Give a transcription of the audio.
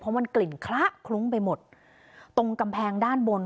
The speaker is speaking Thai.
มันกลิ่นคละคลุ้งไปหมดตรงกำแพงด้านบน